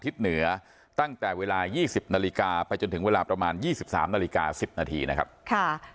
ให้เห็นพระองค์อย่างใกล้ที่สุดที่จะได้